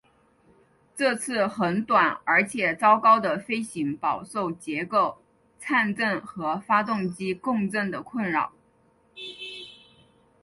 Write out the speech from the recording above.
这次很短而且糟糕的飞行饱受结构颤振和发动机共振的困扰。